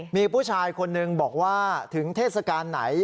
มีผู้ชายคนนึงบอกว่าถึงเทศกาลไหน